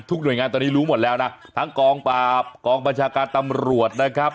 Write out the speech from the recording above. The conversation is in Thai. หน่วยงานตอนนี้รู้หมดแล้วนะทั้งกองปราบกองบัญชาการตำรวจนะครับ